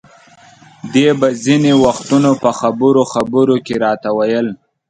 دې به ځینې وختونه په خبرو خبرو کې راته ویل.